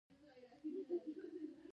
د ترهګرۍ تنده یې د ماتېدو نه وي.